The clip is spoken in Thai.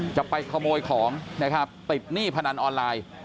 จะไปขโมยของติดหนี้พนันออนไลน์